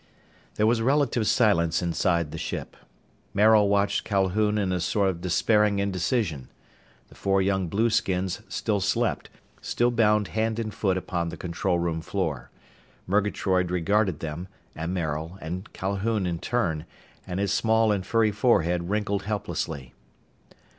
There was relative silence inside the ship. Maril watched Calhoun in a sort of despairing indecision. The four young blueskins still slept, still bound hand and foot upon the control room floor. Murgatroyd regarded them, and Maril, and Calhoun in turn, and his small and furry forehead wrinkled helplessly.